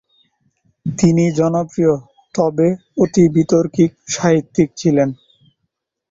তিনি জনপ্রিয় তবে অতি বিতর্কিত সাহিত্যিক ছিলেন।